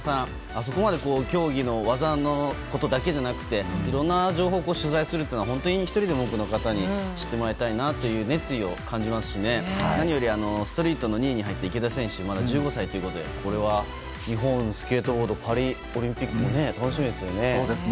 あそこまで競技の技のことだけじゃなくていろいろな情報を取材するというのは本当に１人でも多くの方に知ってもらいたいという熱意を感じますし何よりストリートの２位に入った池田選手まだ１５歳ということでこれは日本スケートボードパリオリンピック楽しみですよね。